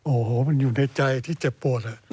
โอ้โหมันอยู่ในใจที่เจ็บปวด